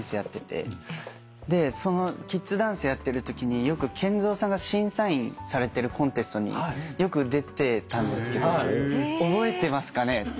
でキッズダンスやってるときにＫＥＮＺＯさんが審査員されてるコンテストによく出てたんですけど覚えてますかねっていう。